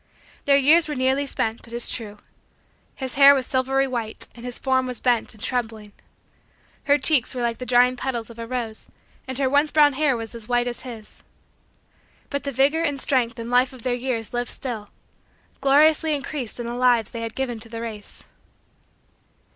Their years were nearly spent, it is true. His hair was silvery white and his form was bent and trembling. Her cheeks were like the drying petals of a rose and her once brown hair was as white as his. But the vigor and strength and life of their years lived still gloriously increased in the lives that they had given to the race.